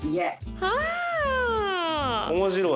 面白い。